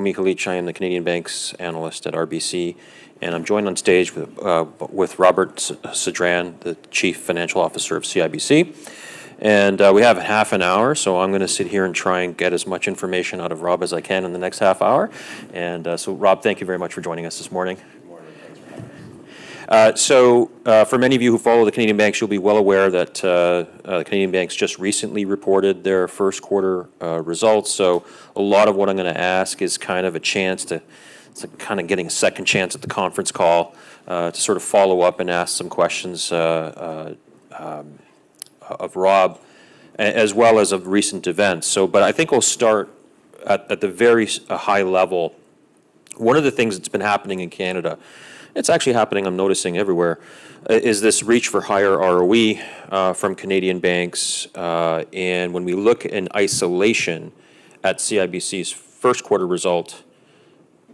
Darko Mihelic, I'm the Canadian banks analyst at RBC, and I'm joined on stage with Robert Sedran, the Chief Financial Officer of CIBC. We have half an hour. I'm gonna sit here and try and get as much information out of Rob as I can in the next half hour. Rob, thank you very much for joining us this morning. Good morning. Thanks for having me. For many of you who follow the Canadian banks, you'll be well aware that Canadian banks just recently reported their first quarter results. A lot of what I'm gonna ask is kind of a chance to, it's like kind of getting a second chance at the conference call to sort of follow up and ask some questions of Rob as well as of recent events. I think we'll start at the very high level. One of the things that's been happening in Canada, it's actually happening, I'm noticing everywhere, is this reach for higher ROE from Canadian banks. When we look in isolation at CIBC's first quarter result,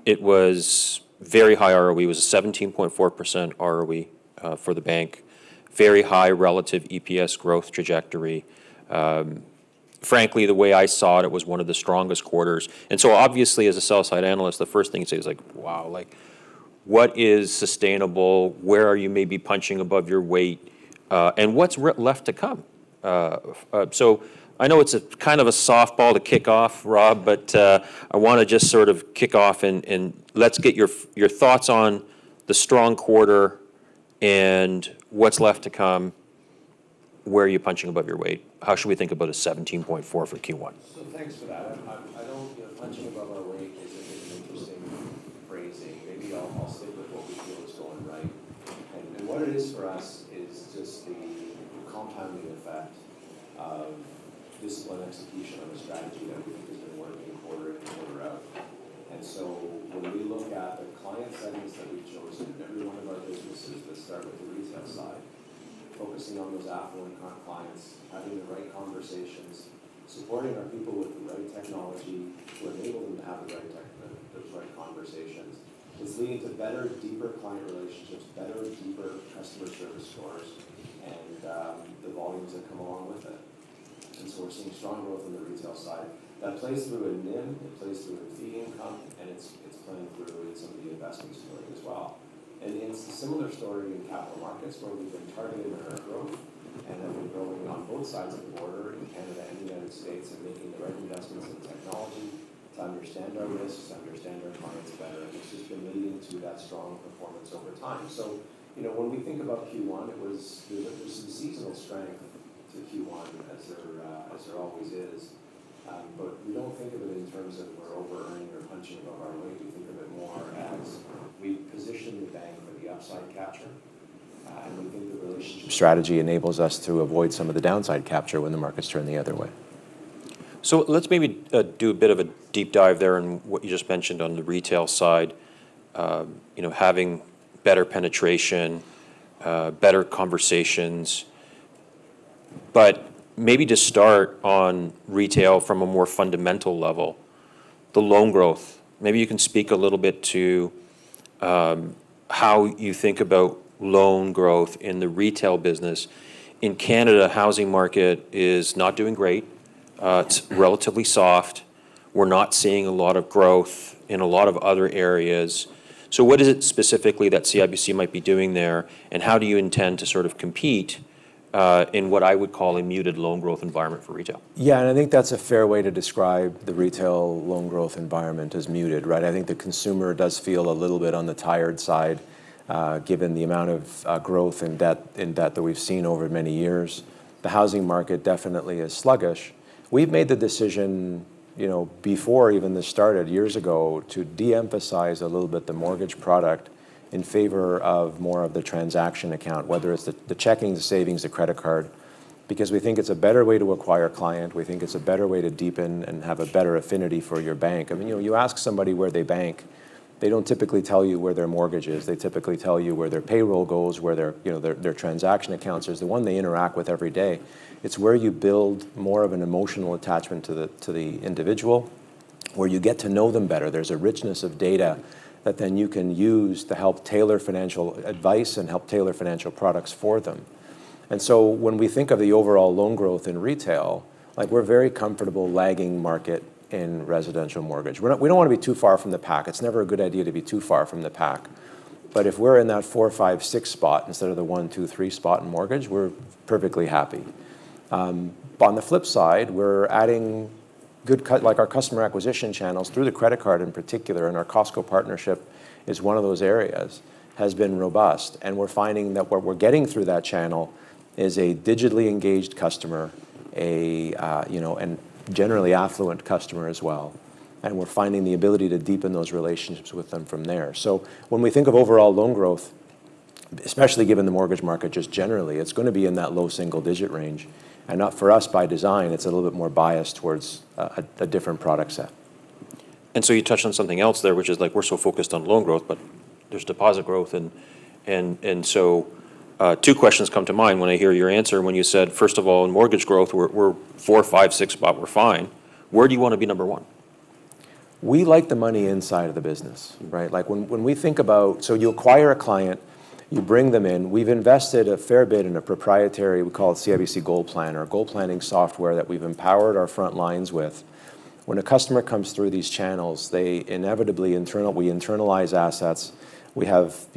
it was very high ROE. It was a 17.4% ROE for the bank. Very high relative EPS growth trajectory. Frankly, the way I saw it was one of the strongest quarters. Obviously, as a sell-side analyst, the first thing you say is like, "Wow." Like, what is sustainable? Where are you maybe punching above your weight? And what's left to come? So I know it's a kind of a softball to kick off, Rob, but I wanna just sort of kick off and let's get your thoughts on the strong quarter and what's left to come. Where are you punching above your weight? How should we think about a 17.4% for Q1? Thanks for that. I don't, you know, punching above our weight is an interesting phrasing. Maybe I'll stick with what we feel is going right. What it is for us is just the compounding effect of disciplined execution on a strategy that we think has been working quarter in, quarter out. When we look at the client segments that we've chosen in every one of our businesses that start with the retail side, focusing on those affluent current clients, having the right conversations, supporting our people with the right technology to enable them to have the right tech, those right conversations, it's leading to better, deeper client relationships, better, deeper customer service scores and the volumes that come along with it. We're seeing strong growth in the retail side. That plays through in NIM, it plays through in fee income, and it's playing through in some of the investment story as well. It's a similar story in Capital Markets where we've been targeting our growth and then we're growing on both sides of the border in Canada and the United States and making the right investments in technology to understand our risks, to understand our clients better, and it's just been leading to that strong performance over time. You know, when we think about Q1, it was, there's some seasonal strength to Q1 as there always is. We don't think of it in terms of we're over-earning or punching above our weight. We think of it more as we've positioned the bank for the upside capture, and we think the relationship strategy enables us to avoid some of the downside capture when the markets turn the other way. Let's maybe do a bit of a deep dive there in what you just mentioned on the retail side. You know, having better penetration, better conversations. Maybe to start on retail from a more fundamental level, the loan growth. Maybe you can speak a little bit to, how you think about loan growth in the retail business. In Canada, housing market is not doing great. It's relatively soft. We're not seeing a lot of growth in a lot of other areas. What is it specifically that CIBC might be doing there, and how do you intend to sort of compete, in what I would call a muted loan growth environment for retail? Yeah, I think that's a fair way to describe the retail loan growth environment as muted, right? I think the consumer does feel a little bit on the tired side, given the amount of growth and debt that we've seen over many years. The housing market definitely is sluggish. We've made the decision, you know, before even this started years ago, to de-emphasize a little bit the mortgage product in favor of more of the transaction account, whether it's the checking, the savings, the credit card, because we think it's a better way to acquire client. We think it's a better way to deepen and have a better affinity for your bank. I mean, you know, you ask somebody where they bank, they don't typically tell you where their mortgage is. They typically tell you where their payroll goes, where their, you know, transaction accounts is, the one they interact with every day. It's where you build more of an emotional attachment to the individual, where you get to know them better. There's a richness of data that then you can use to help tailor financial advice and help tailor financial products for them. When we think of the overall loan growth in retail, like we're very comfortable lagging market in residential mortgage. We're not, we don't wanna be too far from the pack. It's never a good idea to be too far from the pack. If we're in that four, five, six spot instead of the one, two, three spot in mortgage, we're perfectly happy. On the flip side, we're adding, like, our customer acquisition channels through the credit card in particular, and our Costco partnership is one of those areas, has been robust, and we're finding that what we're getting through that channel is a digitally engaged customer, you know, and generally affluent customer as well, and we're finding the ability to deepen those relationships with them from there. When we think of overall loan growth, especially given the mortgage market just generally, it's gonna be in that low single digit range. Now for us, by design, it's a little bit more biased towards a different product set. You touched on something else there, which is like we're so focused on loan growth, but there's deposit growth and so, two questions come to mind when I hear your answer when you said, first of all, in mortgage growth, we're four, five, six spot, we're fine. Where do you wanna be number one? We like the money inside of the business, right? Like when we think about you acquire a client. You bring them in. We've invested a fair bit in a proprietary, we call it CIBC GoalPlanner, goal planning software that we've empowered our front lines with. When a customer comes through these channels, they inevitably we internalize assets. You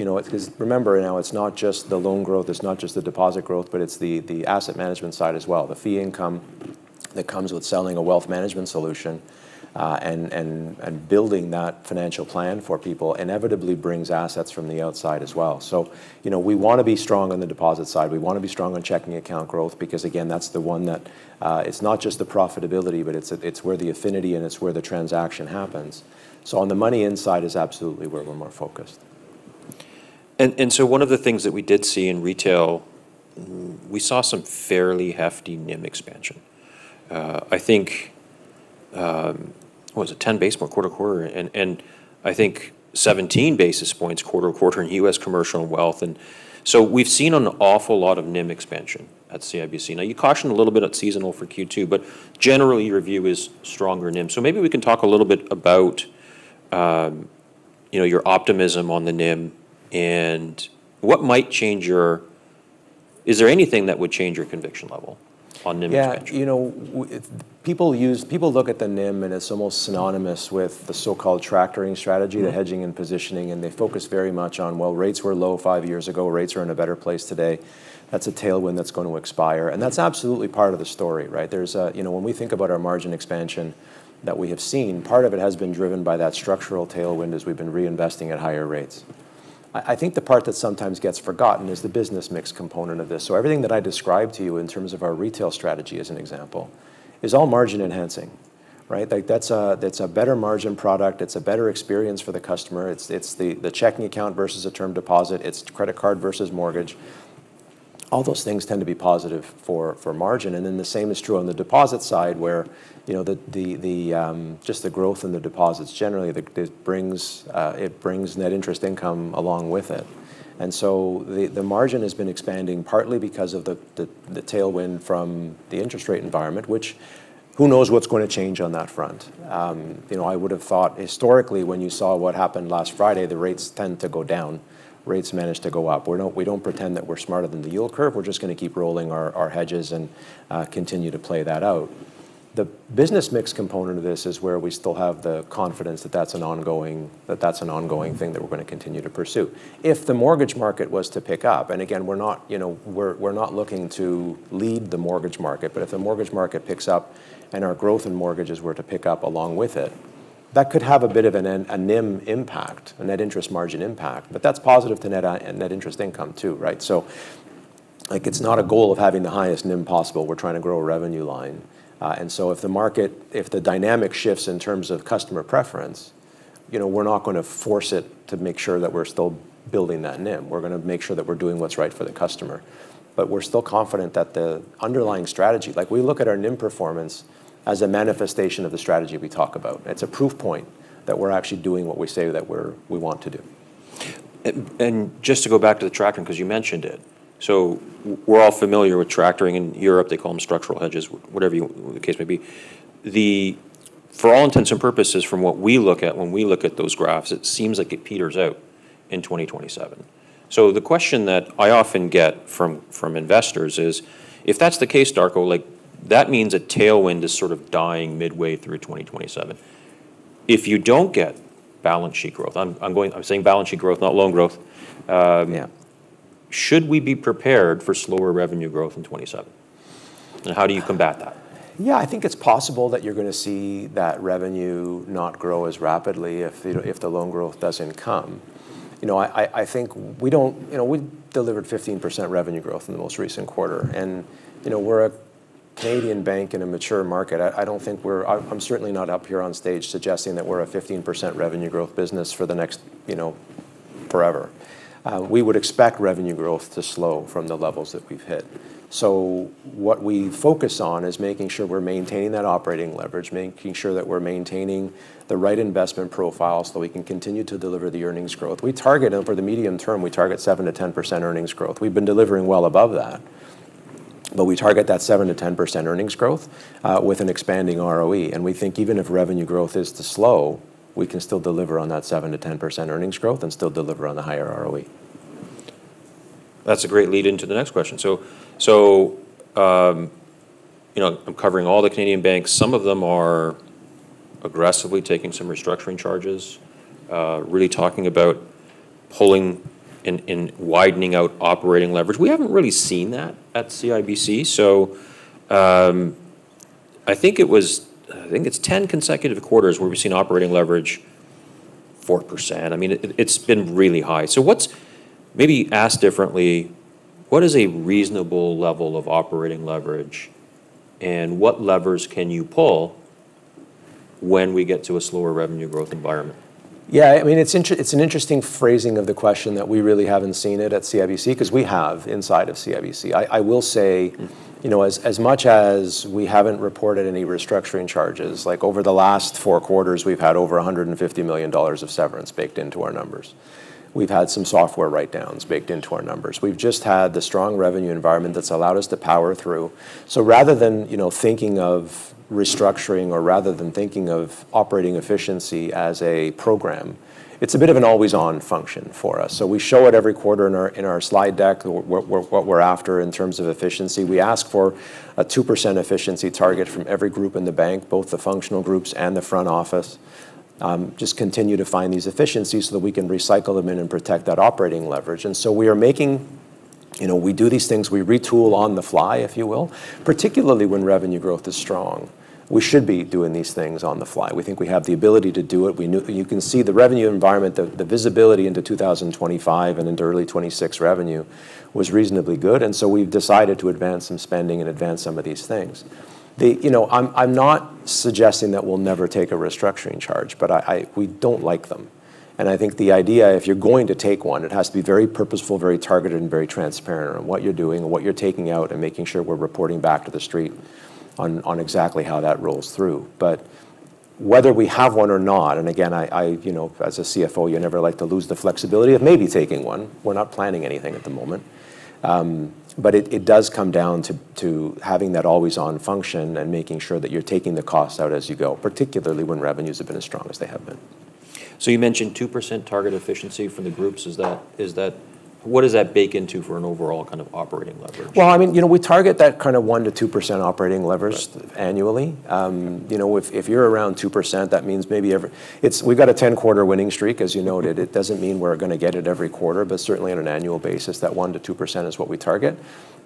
know, 'cause remember, you know, it's not just the loan growth, it's not just the deposit growth, but it's the asset management side as well. The fee income that comes with selling a wealth management solution, and building that financial plan for people inevitably brings assets from the outside as well. You know, we wanna be strong on the deposit side, we wanna be strong on checking account growth because, again, that's the one that it's not just the profitability, but it's where the affinity and it's where the transaction happens. On the money side is absolutely where we're more focused. One of the things that we did see in retail, we saw some fairly hefty NIM expansion. I think what was it, 10 basis points quarter-to-quarter. I think 17 basis points quarter-to-quarter in U.S. commercial and wealth. We've seen an awful lot of NIM expansion at CIBC. Now, you cautioned a little bit about seasonal for Q2, but generally your view is stronger NIM. Maybe we can talk a little bit about, you know, your optimism on the NIM and what might change your conviction level on NIM expansion. Yeah. You know, people look at the NIM, and it's almost synonymous with the so-called tractoring strategy. Mm-hmm the hedging and positioning, and they focus very much on, well, rates were low five years ago, rates are in a better place today. That's a tailwind that's going to expire, and that's absolutely part of the story, right? You know, when we think about our margin expansion that we have seen, part of it has been driven by that structural tailwind as we've been reinvesting at higher rates. I think the part that sometimes gets forgotten is the business mix component of this. Everything that I described to you in terms of our retail strategy, as an example, is all margin enhancing, right? Like, that's a better margin product, it's a better experience for the customer. It's the checking account versus a term deposit. It's credit card versus mortgage. All those things tend to be positive for margin. The same is true on the deposit side where you know the growth in the deposits generally. It brings net interest income along with it. The margin has been expanding partly because of the tailwind from the interest rate environment, which who knows what's going to change on that front. You know, I would have thought historically, when you saw what happened last Friday, the rates tend to go down. Rates managed to go up. We don't pretend that we're smarter than the yield curve. We're just gonna keep rolling our hedges and continue to play that out. The business mix component of this is where we still have the confidence that that's an ongoing thing that we're gonna continue to pursue. If the mortgage market was to pick up, and again, we're not, you know, we're not looking to lead the mortgage market, but if the mortgage market picks up and our growth in mortgages were to pick up along with it, that could have a bit of a NIM impact, a net interest margin impact. That's positive to net interest income too, right? Like, it's not a goal of having the highest NIM possible. We're trying to grow a revenue line. If the market, if the dynamic shifts in terms of customer preference, you know, we're not gonna force it to make sure that we're still building that NIM. We're gonna make sure that we're doing what's right for the customer. We're still confident that the underlying strategy. Like, we look at our NIM performance as a manifestation of the strategy we talk about. It's a proof point that we're actually doing what we say we want to do. Just to go back to the tractoring, 'cause you mentioned it. We're all familiar with tractoring. In Europe, they call them structural hedges, whatever the case may be. For all intents and purposes, from what we look at when we look at those graphs, it seems like it peters out in 2027. The question that I often get from investors is, "If that's the case, Darko, like, that means a tailwind is sort of dying midway through 2027." If you don't get balance sheet growth, I'm saying balance sheet growth, not loan growth. Yeah Should we be prepared for slower revenue growth in 2027? How do you combat that? Yeah, I think it's possible that you're gonna see that revenue not grow as rapidly if the loan growth doesn't come. You know, I think we delivered 15% revenue growth in the most recent quarter, and you know, we're a Canadian bank in a mature market. I don't think we're. I'm certainly not up here on stage suggesting that we're a 15% revenue growth business for the next, you know, forever. We would expect revenue growth to slow from the levels that we've hit. What we focus on is making sure we're maintaining that operating leverage, making sure that we're maintaining the right investment profile so we can continue to deliver the earnings growth. We target for the medium term, we target 7%-10% earnings growth. We've been delivering well above that. We target that 7%-10% earnings growth with an expanding ROE. We think even if revenue growth is to slow, we can still deliver on that 7%-10% earnings growth and still deliver on the higher ROE. That's a great lead-in to the next question. You know, I'm covering all the Canadian banks. Some of them are aggressively taking some restructuring charges, really talking about pulling and widening out operating leverage. We haven't really seen that at CIBC. I think it's 10 consecutive quarters where we've seen operating leverage 4%. I mean, it's been really high. Maybe asked differently, what is a reasonable level of operating leverage, and what levers can you pull when we get to a slower revenue growth environment? Yeah, I mean, it's an interesting phrasing of the question that we really haven't seen it at CIBC, 'cause we have inside of CIBC. I will say- Mm-hmm You know, as much as we haven't reported any restructuring charges, like, over the last four quarters, we've had over 150 million dollars of severance baked into our numbers. We've had some software write-downs baked into our numbers. We've just had the strong revenue environment that's allowed us to power through. Rather than, you know, thinking of restructuring or rather than thinking of operating efficiency as a program, it's a bit of an always-on function for us. We show it every quarter in our slide deck what we're after in terms of efficiency. We ask for a 2% efficiency target from every group in the bank, both the functional groups and the front office. Just continue to find these efficiencies so that we can recycle them in and protect that operating leverage. We are making. You know, we do these things. We retool on the fly, if you will. Particularly when revenue growth is strong, we should be doing these things on the fly. We think we have the ability to do it. You can see the revenue environment, the visibility into 2025 and into early 2026 revenue was reasonably good. We've decided to advance some spending and advance some of these things. You know, I'm not suggesting that we'll never take a restructuring charge, but I. We don't like them. I think the idea, if you're going to take one, it has to be very purposeful, very targeted, and very transparent on what you're doing and what you're taking out and making sure we're reporting back to the street on exactly how that rolls through. But whether we have one or not, and again, I you know, as a CFO, you never like to lose the flexibility of maybe taking one. We're not planning anything at the moment. It does come down to having that always-on function and making sure that you're taking the cost out as you go, particularly when revenues have been as strong as they have been. You mentioned 2% target efficiency from the groups. What does that bake into for an overall kind of operating leverage? Well, I mean, you know, we target that kind of 1%-2% operating leverage. Right... annually. We've got a 10-quarter winning streak, as you noted. It doesn't mean we're gonna get it every quarter, but certainly on an annual basis, that 1%-2% is what we target.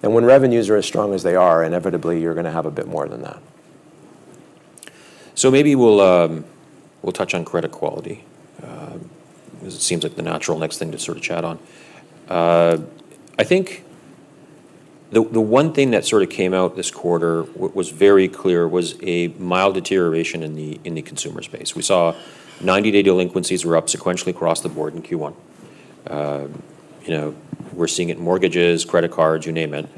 When revenues are as strong as they are, inevitably you're gonna have a bit more than that. Maybe we'll touch on credit quality, because it seems like the natural next thing to sort of chat on. I think the one thing that sort of came out this quarter was very clear was a mild deterioration in the consumer space. We saw 90-day delinquencies were up sequentially across the board in Q1. You know, we're seeing it in mortgages, credit cards, you name it.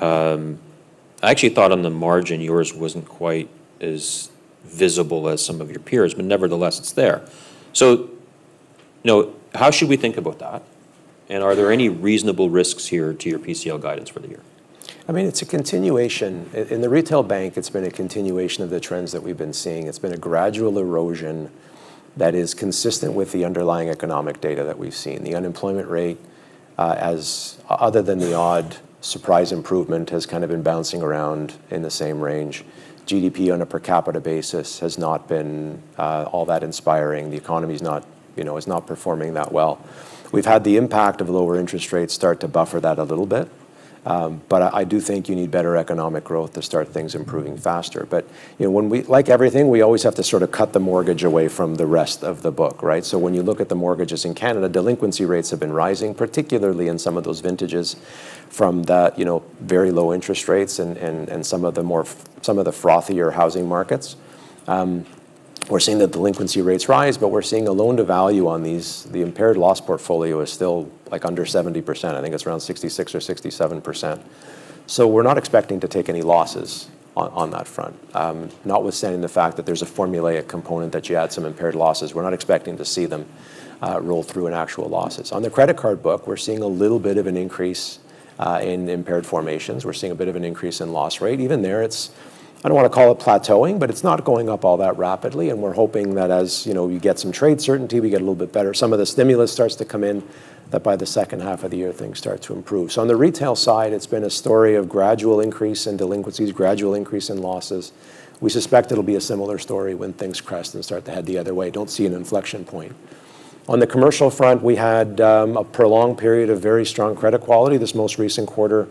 I actually thought on the margin, yours wasn't quite as visible as some of your peers, but nevertheless, it's there. You know, how should we think about that? Are there any reasonable risks here to your PCL guidance for the year? I mean, it's a continuation. In the retail bank, it's been a continuation of the trends that we've been seeing. It's been a gradual erosion that is consistent with the underlying economic data that we've seen. The unemployment rate, other than the odd surprise improvement, has kind of been bouncing around in the same range. GDP on a per capita basis has not been all that inspiring. The economy's not, you know, is not performing that well. We've had the impact of lower interest rates start to buffer that a little bit. I do think you need better economic growth to start things improving faster. You know, like everything, we always have to sort of cut the mortgage away from the rest of the book, right? When you look at the mortgages in Canada, delinquency rates have been rising, particularly in some of those vintages from that, you know, very low interest rates and some of the frothier housing markets. We're seeing the delinquency rates rise, but we're seeing a loan-to-value on these. The impaired loss portfolio is still, like, under 70%. I think it's around 66% or 67%. We're not expecting to take any losses on that front. Notwithstanding the fact that there's a formulaic component that you add some impaired losses, we're not expecting to see them roll through in actual losses. On the credit card book, we're seeing a little bit of an increase in impaired formations. We're seeing a bit of an increase in loss rate. Even there, it's. I don't wanna call it plateauing, but it's not going up all that rapidly, and we're hoping that as you know, you get some trade certainty, we get a little bit better, some of the stimulus starts to come in, that by the second half of the year, things start to improve. On the retail side, it's been a story of gradual increase in delinquencies, gradual increase in losses. We suspect it'll be a similar story when things crest and start to head the other way. Don't see an inflection point. On the commercial front, we had a prolonged period of very strong credit quality. This most recent quarter,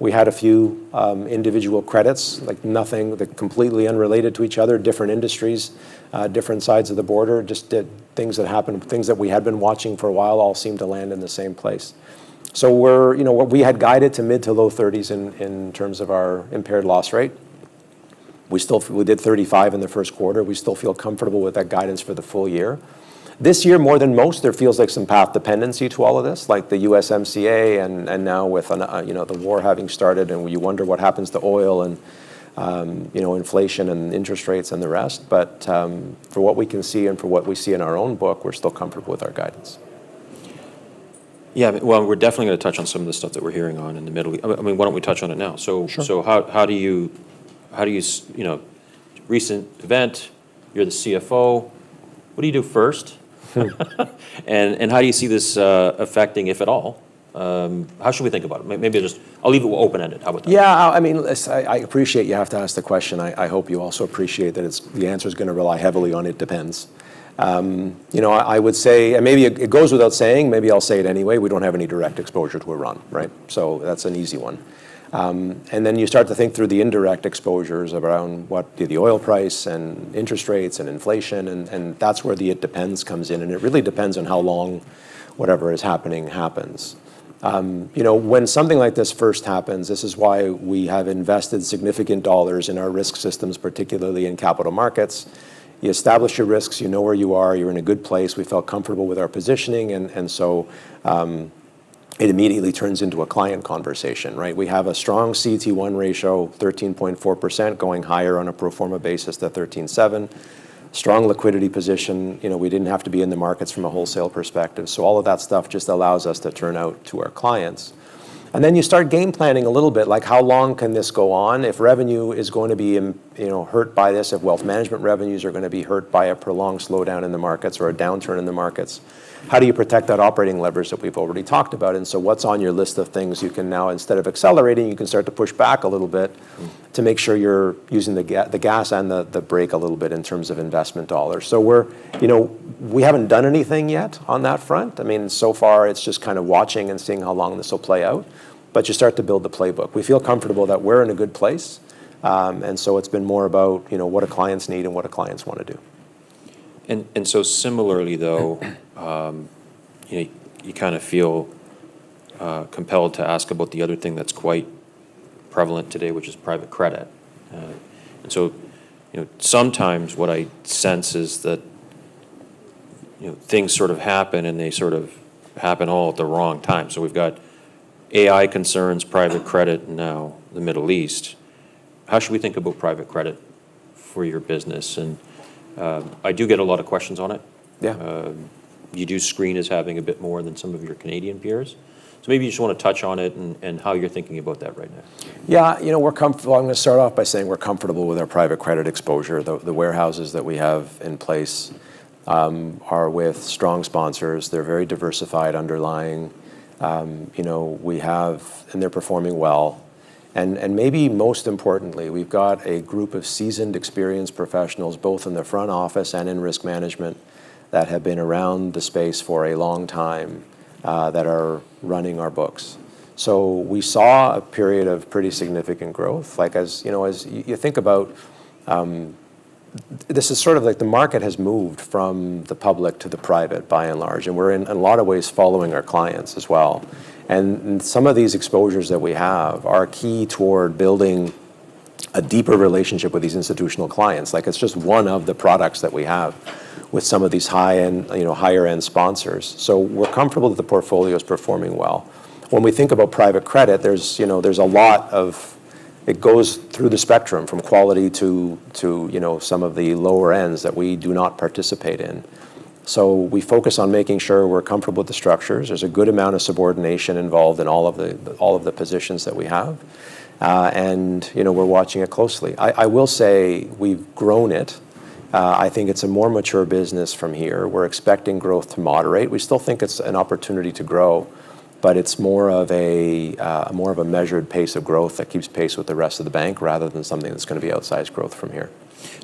we had a few individual credits. They're completely unrelated to each other, different industries, different sides of the border. Just the things that happened, things that we had been watching for a while all seemed to land in the same place. We're what we had guided to mid- to low-30s in terms of our impaired loss rate. We did 35 in the first quarter. We still feel comfortable with that guidance for the full year. This year, more than most, there feels like some path dependency to all of this, like the USMCA and now with the war having started and you wonder what happens to oil and inflation and interest rates and the rest. For what we can see and for what we see in our own book, we're still comfortable with our guidance. Yeah. Well, we're definitely gonna touch on some of the stuff. I mean, why don't we touch on it now? Sure How do you know, recent event, you're the CFO, what do you do first? How do you see this affecting, if at all? How should we think about it? I'll leave it open-ended. How about that? Yeah. I mean, listen, I appreciate you have to ask the question. I hope you also appreciate that it's the answer's gonna rely heavily on it depends. You know, I would say. Maybe it goes without saying, maybe I'll say it anyway. We don't have any direct exposure to Iran, right? So that's an easy one. You start to think through the indirect exposures around what the oil price and interest rates and inflation, and that's where the it depends comes in, and it really depends on how long whatever is happening happens. You know, when something like this first happens, this is why we have invested significant dollars in our risk systems, particularly in Capital Markets. You establish your risks. You know where you are. You're in a good place. We felt comfortable with our positioning. It immediately turns into a client conversation, right? We have a strong CET1 ratio, 13.4%, going higher on a pro forma basis to 13.7. Strong liquidity position. You know, we didn't have to be in the markets from a wholesale perspective. All of that stuff just allows us to turn to our clients. Then you start game planning a little bit, like how long can this go on? If revenue is going to be, you know, hurt by this, if wealth management revenues are going to be hurt by a prolonged slowdown in the markets or a downturn in the markets, how do you protect that operating leverage that we've already talked about? What's on your list of things you can now, instead of accelerating, you can start to push back a little bit to make sure you're using the gas and the brake a little bit in terms of investment dollars. You know, we haven't done anything yet on that front. I mean, so far, it's just kind of watching and seeing how long this will play out. You start to build the playbook. We feel comfortable that we're in a good place. It's been more about, you know, what do clients need and what do clients want to do. Similarly, though, you know, you kind of feel compelled to ask about the other thing that's quite prevalent today, which is private credit. You know, sometimes what I sense is that, you know, things sort of happen, and they sort of happen all at the wrong time. We've got AI concerns, private credit, and now the Middle East. How should we think about private credit for your business? I do get a lot of questions on it. Yeah. You do screen as having a bit more than some of your Canadian peers. Maybe you just want to touch on it and how you're thinking about that right now. Yeah. You know, I'm going to start off by saying we're comfortable with our private credit exposure. The warehouses that we have in place are with strong sponsors. They're very diversified underlying. They're performing well. And maybe most importantly, we've got a group of seasoned, experienced professionals, both in the front office and in risk management, that have been around the space for a long time that are running our books. We saw a period of pretty significant growth. Like, as you know, as you think about, this is sort of like the market has moved from the public to the private by and large, and we're in a lot of ways following our clients as well. Some of these exposures that we have are key toward building a deeper relationship with these institutional clients. Like, it's just one of the products that we have with some of these high-end, you know, higher-end sponsors. We're comfortable that the portfolio is performing well. When we think about private credit, it goes through the spectrum from quality to, you know, some of the lower ends that we do not participate in. We focus on making sure we're comfortable with the structures. There's a good amount of subordination involved in all of the positions that we have. You know, we're watching it closely. I will say we've grown it. I think it's a more mature business from here. We're expecting growth to moderate. We still think it's an opportunity to grow, but it's more of a measured pace of growth that keeps pace with the rest of the bank rather than something that's going to be outsized growth from here.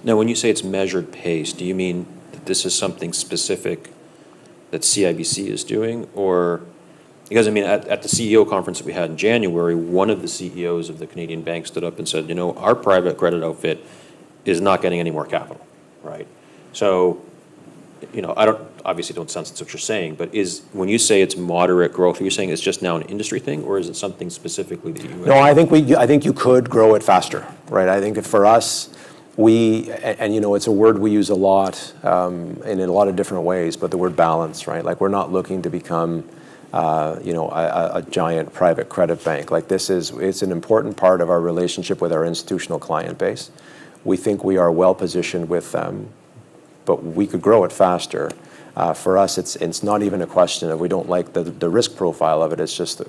Now, when you say it's measured pace, do you mean that this is something specific that CIBC is doing? Or, because, I mean, at the CEO conference that we had in January, one of the CEOs of the Canadian bank stood up and said, "You know, our private credit outfit is not getting any more capital." Right? So, you know, I don't obviously sense that's what you're saying, but is, when you say it's moderate growth, are you saying it's just now an industry thing, or is it something specifically that you- No, I think you could grow it faster, right? I think for us, you know, it's a word we use a lot, and in a lot of different ways, but the word balance, right? Like, we're not looking to become, you know, a giant private credit bank. Like, this is. It's an important part of our relationship with our institutional client base. We think we are well-positioned with them, but we could grow it faster. For us, it's not even a question of we don't like the risk profile of it. It's just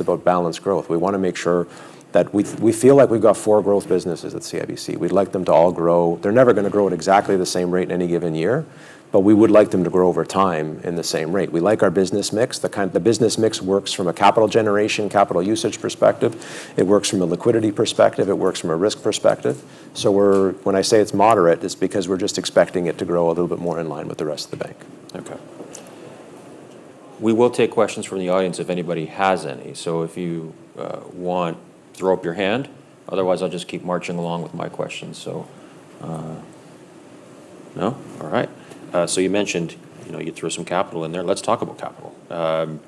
about balanced growth. We wanna make sure that we feel like we've got four growth businesses at CIBC. We'd like them to all grow. They're never gonna grow at exactly the same rate in any given year, but we would like them to grow over time in the same rate. We like our business mix. The business mix works from a capital generation, capital usage perspective. It works from a liquidity perspective. It works from a risk perspective. When I say it's moderate, it's because we're just expecting it to grow a little bit more in line with the rest of the bank. Okay. We will take questions from the audience if anybody has any. If you want, throw up your hand. Otherwise, I'll just keep marching along with my questions. No? All right. You mentioned, you know, you threw some capital in there. Let's talk about capital.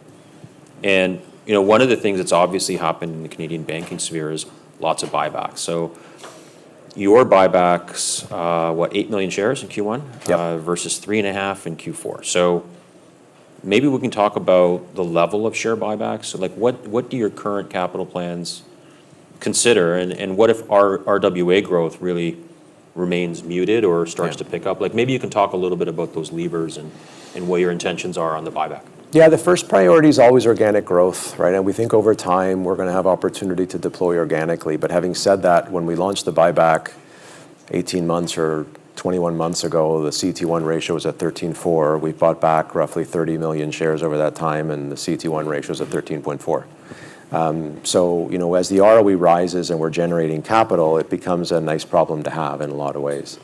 You know, one of the things that's obviously happened in the Canadian banking sphere is lots of buybacks. Your buybacks, what, 8 million shares in Q1? Yep. Versus 3.5 in Q4. Maybe we can talk about the level of share buybacks. Like, what do your current capital plans consider? And what if RWA growth really remains muted or starts- Yeah to pick up? Like, maybe you can talk a little bit about those levers and what your intentions are on the buyback. Yeah. The first priority is always organic growth, right? We think over time, we're gonna have opportunity to deploy organically. Having said that, when we launched the buyback 18 months or 21 months ago, the CET1 ratio was at 13.4. We bought back roughly 30 million shares over that time, and the CET1 ratio was at 13.4. You know, as the ROE rises and we're generating capital, it becomes a nice problem to have in a lot of ways.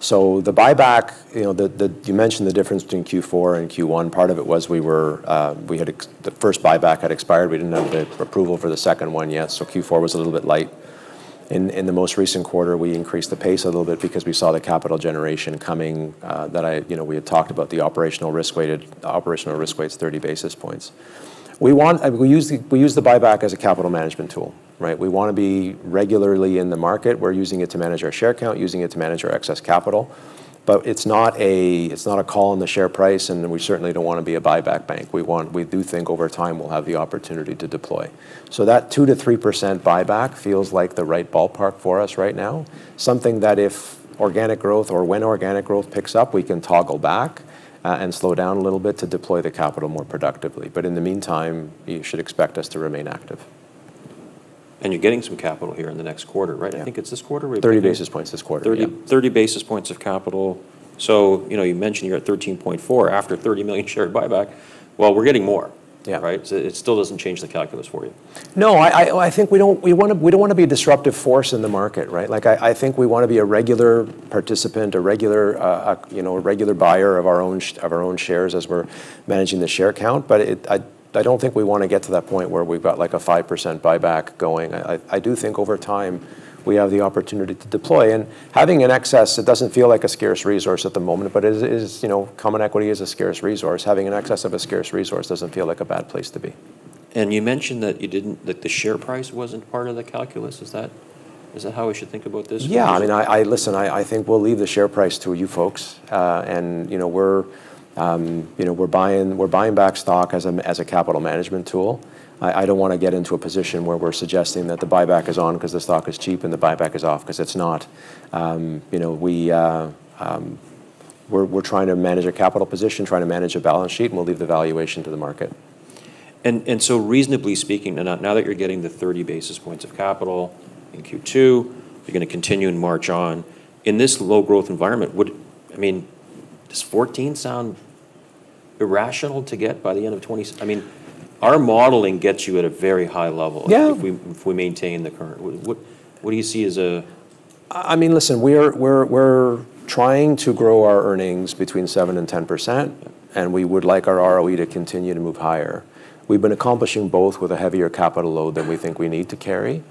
The buyback, you know. You mentioned the difference between Q4 and Q1. Part of it was the first buyback had expired. We didn't have the approval for the second one yet, so Q4 was a little bit light. In the most recent quarter, we increased the pace a little bit because we saw the capital generation coming. You know, we had talked about the operational risk weights 30 basis points. We use the buyback as a capital management tool, right? We wanna be regularly in the market. We're using it to manage our share count, using it to manage our excess capital. But it's not a call on the share price, and we certainly don't wanna be a buyback bank. We do think over time we'll have the opportunity to deploy. So that 2%-3% buyback feels like the right ballpark for us right now. Something that if organic growth or when organic growth picks up, we can toggle back and slow down a little bit to deploy the capital more productively. In the meantime, you should expect us to remain active. You're getting some capital here in the next quarter, right? Yeah. I think it's this quarter, right? 30 basis points this quarter, yeah. 30 basis points of capital. You know, you mentioned you're at 13.4 after 30 million share buyback. Well, we're getting more. Yeah. Right? It still doesn't change the calculus for you. No. I think we don't want to be a disruptive force in the market, right? Like, I think we want to be a regular participant, a regular buyer of our own shares as we're managing the share count. But I don't think we want to get to that point where we've got, like, a 5% buyback going. I do think over time we have the opportunity to deploy. Having an excess, it doesn't feel like a scarce resource at the moment. But, you know, common equity is a scarce resource. Having an excess of a scarce resource doesn't feel like a bad place to be. You mentioned that the share price wasn't part of the calculus. Is that how we should think about this moving forward? Yeah. I mean, listen, I think we'll leave the share price to you folks. You know, we're buying back stock as a capital management tool. I don't wanna get into a position where we're suggesting that the buyback is on 'cause the stock is cheap, and the buyback is off 'cause it's not. You know, we're trying to manage our capital position, trying to manage a balance sheet, and we'll leave the valuation to the market. Reasonably speaking, now that you're getting the 30 basis points of capital in Q2, you're gonna continue and march on. In this low growth environment, I mean, does 14% sound irrational to get by the end of 2020s? I mean, our modeling gets you at a very high level. Yeah if we maintain the current. What do you see as a- I mean, listen, we're trying to grow our earnings between 7%-10%, and we would like our ROE to continue to move higher. We've been accomplishing both with a heavier capital load than we think we need to carry.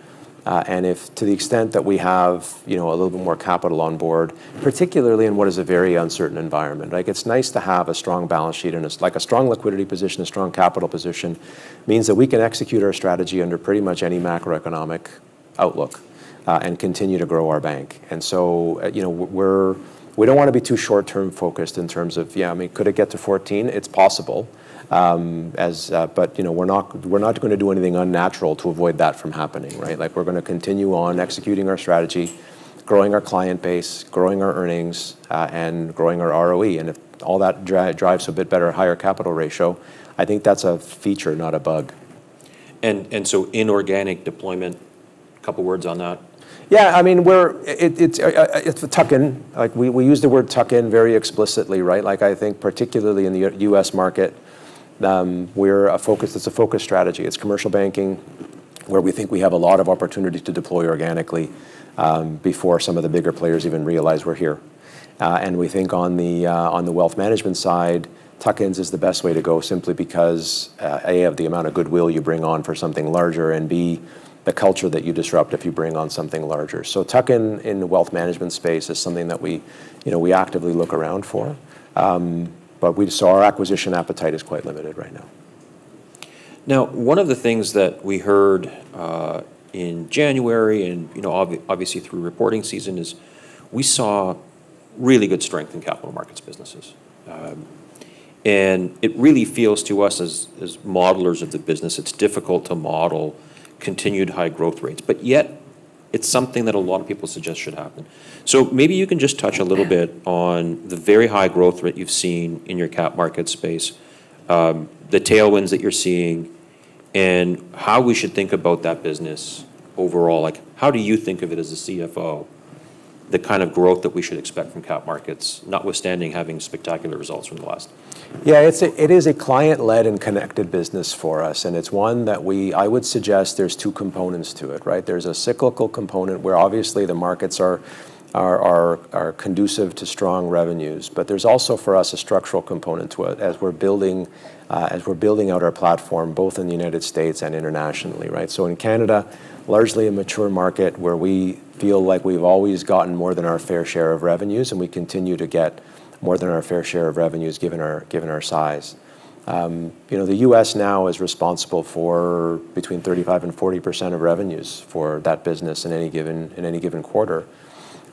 If to the extent that we have, you know, a little bit more capital on board, particularly in what is a very uncertain environment, like it's nice to have a strong balance sheet. It's like a strong liquidity position, a strong capital position means that we can execute our strategy under pretty much any macroeconomic outlook, and continue to grow our bank. We don't wanna be too short-term focused in terms of. Yeah, I mean, could it get to 14? It's possible, as. You know, we're not gonna do anything unnatural to avoid that from happening, right? Like, we're gonna continue on executing our strategy, growing our client base, growing our earnings, and growing our ROE. If all that drives a bit better higher capital ratio, I think that's a feature, not a bug. Inorganic deployment, couple words on that. Yeah. I mean, it's a tuck-in. Like we use the word tuck-in very explicitly, right? Like I think particularly in the U.S. market, it's a focus strategy. It's commercial banking where we think we have a lot of opportunity to deploy organically before some of the bigger players even realize we're here. And we think on the wealth management side, tuck-ins is the best way to go simply because, A, of the amount of goodwill you bring on for something larger, and B, the culture that you disrupt if you bring on something larger. Tuck-in in the wealth management space is something that we, you know, we actively look around for. But our acquisition appetite is quite limited right now. Now, one of the things that we heard in January and, you know, obviously through reporting season is we saw really good strength in Capital Markets businesses. It really feels to us as modelers of the business, it's difficult to model continued high growth rates. Yet it's something that a lot of people suggest should happen. Maybe you can just touch a little bit. Yeah On the very high growth rate you've seen in your Capital Markets space, the tailwinds that you're seeing, and how we should think about that business overall. Like how do you think of it as a CFO, the kind of growth that we should expect from Capital Markets notwithstanding having spectacular results from the last few quarters? Yeah. It is a client-led and connected business for us, and it's one that I would suggest there's two components to it, right? There's a cyclical component where obviously the markets are conducive to strong revenues. There's also for us a structural component to it as we're building out our platform both in the United States and internationally, right? In Canada, largely a mature market where we feel like we've always gotten more than our fair share of revenues, and we continue to get more than our fair share of revenues given our size. You know, the U.S. now is responsible for between 35%-40% of revenues for that business in any given quarter,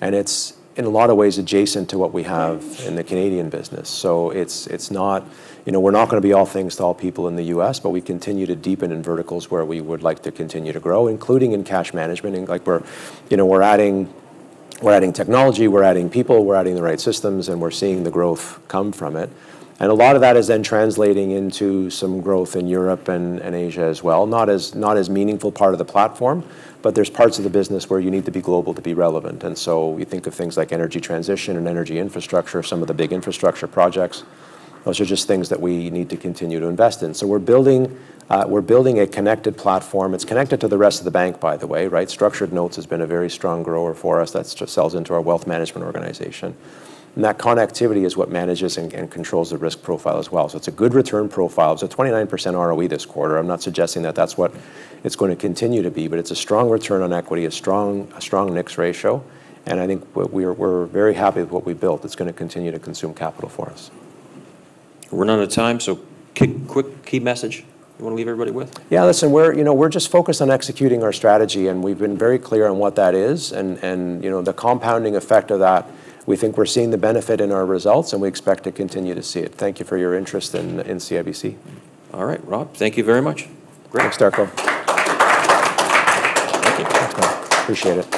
and it's in a lot of ways adjacent to what we have. Right In the Canadian business. It's not... You know, we're not gonna be all things to all people in the U.S., but we continue to deepen in verticals where we would like to continue to grow, including in cash management. Like we're, you know, we're adding technology, we're adding people, we're adding the right systems, and we're seeing the growth come from it. A lot of that is then translating into some growth in Europe and Asia as well. Not as meaningful part of the platform, but there's parts of the business where you need to be global to be relevant. We think of things like energy transition and energy infrastructure, some of the big infrastructure projects. Those are just things that we need to continue to invest in. We're building a connected platform. It's connected to the rest of the bank, by the way, right? Structured notes has been a very strong grower for us. That's just sells into our wealth management organization. That connectivity is what manages and controls the risk profile as well. It's a good return profile. It's a 29% ROE this quarter. I'm not suggesting that that's what it's gonna continue to be, but it's a strong return on equity, a strong mix ratio. I think we're very happy with what we built. It's gonna continue to consume capital for us. We're running out of time, so quick key message you wanna leave everybody with? Yeah. Listen, we're, you know, we're just focused on executing our strategy, and we've been very clear on what that is. You know, the compounding effect of that, we think we're seeing the benefit in our results, and we expect to continue to see it. Thank you for your interest in CIBC. All right. Rob, thank you very much. Great. Thanks, Darko. Thank you. Thanks, man. Appreciate it.